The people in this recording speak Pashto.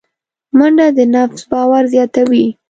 منډه د نفس باور زیاتوي